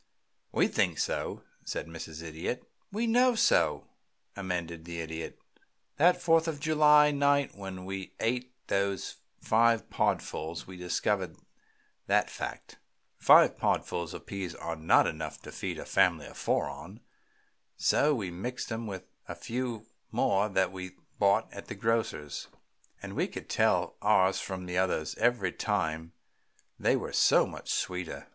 "We think so," said Mrs. Idiot. "We know so," amended the Idiot. "That Fourth of July night when we ate those five podfuls we discovered that fact. Five podfuls of peas are not enough to feed a family of four on, so we mixed them in with a few more that we bought at the grocer's, and we could tell ours from the others every time, they were so much sweeter."